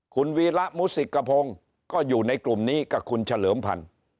คุณวีระมุสิกพงศ์ก็อยู่ในกลุ่มนี้กับคุณเฉลิมพันธ์